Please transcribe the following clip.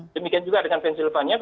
demikian juga dengan pennsylvania